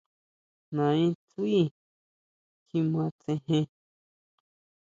Nae Tsui kjima tsejen.